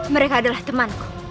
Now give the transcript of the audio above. mereka adalah temanku